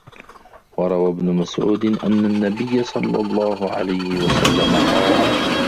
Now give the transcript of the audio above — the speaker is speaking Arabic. وَرَوَى ابْنُ مَسْعُودٍ أَنَّ النَّبِيَّ صَلَّى اللَّهُ عَلَيْهِ وَسَلَّمَ قَالَ